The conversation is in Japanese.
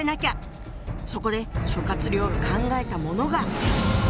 そこで諸亮が考えたものが。